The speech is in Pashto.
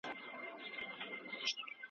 مکناتن اندېښمن و.